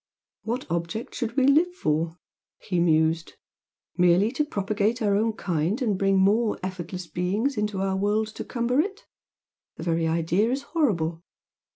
"What object should we live for?" he mused "Merely to propagate our own kind and bring more effortless beings into the world to cumber it? The very idea is horrible!